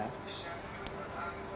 kejadian di bung hendrik